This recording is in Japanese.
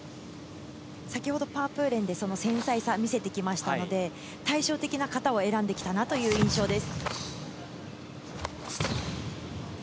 先ほどパープーレンで繊細さを見せてきましたので、対照的な形を選んできたなという印象です。